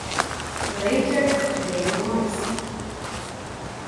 Later, they divorced.